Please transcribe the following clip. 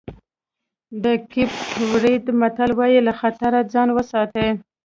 د کېپ ورېډ متل وایي له خطره ځان وساتئ.